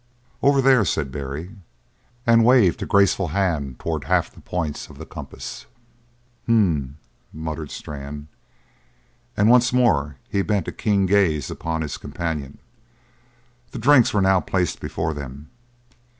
"Over there," said Barry, and waved a graceful hand towards half the points of the compass. "H m m!" muttered Strann, and once more he bent a keen gaze upon his companion. The drinks were now placed before them.